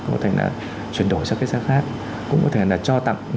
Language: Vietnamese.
có thể là chuyển đổi sang các xã khác cũng có thể là cho tặng